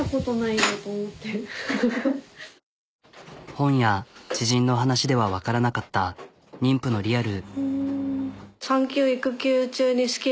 本や知人の話ではわからなかった妊婦のリアル。